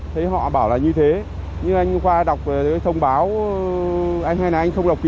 thấy họ bảo là như thế nhưng anh qua đọc thông báo anh hay là anh không đọc kỹ